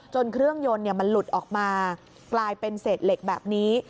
เครื่องยนต์มันหลุดออกมากลายเป็นเศษเหล็กแบบนี้